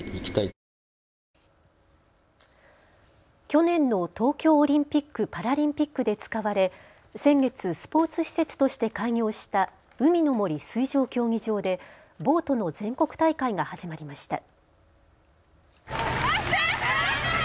去年の東京オリンピック・パラリンピックで使われ先月、スポーツ施設として開業した海の森水上競技場でボートの全国大会が始まりました。